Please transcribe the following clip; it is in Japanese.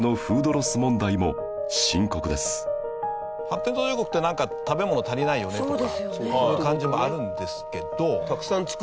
発展途上国ってなんか食べ物足りないよねとかそういう感じもあるんですけど。